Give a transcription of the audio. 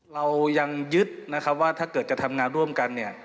เรายังยึดว่าถ้าเกิดจะทำงานร่วมกัน